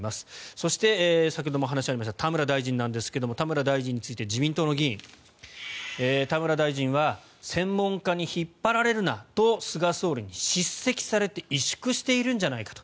そして、先ほども話があった田村大臣ですが田村大臣について自民党の議員田村大臣は専門家に引っ張られるなと菅総理に叱責されて萎縮しているんじゃないかと。